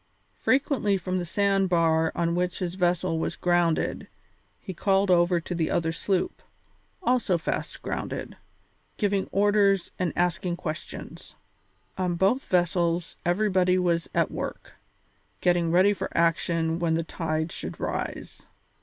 Frequently from the sand bar on which his vessel was grounded he called over to his other sloop, also fast grounded, giving orders and asking questions. On both vessels everybody was at work, getting ready for action when the tide should rise.